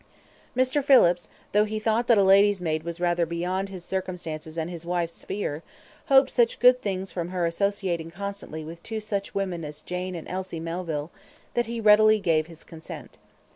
Mr. Phillips, though he thought that a lady's maid was rather beyond his circumstances and his wife's sphere, hoped such good things from her associating constantly with two such women as Jane and Elsie Melville, that he readily gave his consent.